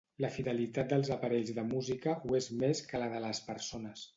La fidelitat dels aparells de música ho és més que la de les persones.